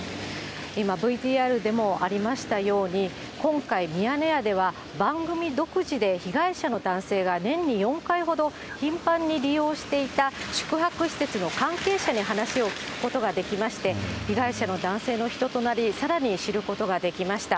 今、ＶＴＲでもありましたように、今回、ミヤネ屋では番組独自で、被害者の男性が年に４回ほど頻繁に利用していた宿泊施設の関係者に話を聞くことができまして、被害者の男性の人となりさらに知ることができました。